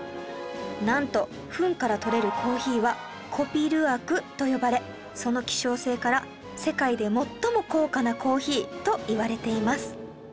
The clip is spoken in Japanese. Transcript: なんとフンからとれるコーヒーはコピ・ルアクと呼ばれその希少性から世界で最も高価なコーヒーといわれています